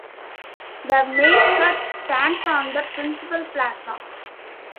The main church stands on the principal plaza.